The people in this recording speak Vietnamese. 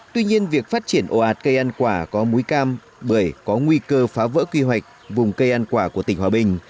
tuy nhiên việc phát triển ồ ạt cây ăn quả có múi cam bưởi có nguy cơ phá vỡ quy hoạch vùng cây ăn quả của tỉnh hòa bình